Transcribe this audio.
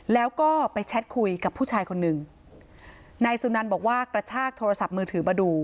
แล้วก็ไปแชทคุยกับผู้ชายคนหนึ่งนายสุนันบอกว่ากระชากโทรศัพท์มือถือมาดู